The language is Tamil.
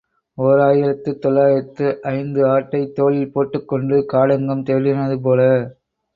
ஓர் ஆயிரத்து தொள்ளாயிரத்து ஐந்து ஆட்டைத் தோளில் போட்டுக் கொண்டு காடெங்கும் தேடினது போல.